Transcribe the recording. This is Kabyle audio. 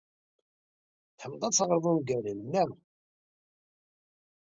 Tḥemmled ad teɣred ungalen, naɣ?